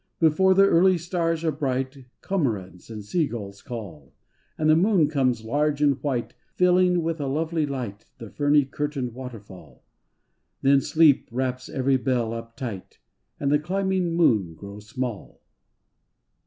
Before the early stars are bright Cormorants and sea gulls call, And the moon comes large and white Filling with a lovely light The ferny curtained waterfall. Then sleep wraps every bell up tight And the climbing moon grows small.